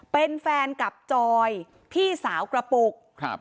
เป็นแฟนกับจอยพี่สาวกระปุกครับ